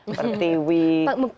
seperti wi tangguh